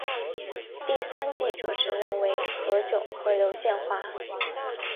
第三季主持人为何炅和刘宪华。